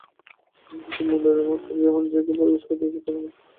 আমি হয়তো মূঢ়ের মতো এমন জায়গায় প্রবেশ করিতেছি যেখানে আত্মীয় ছাড়া কাহারো গতিবিধি নিষেধ।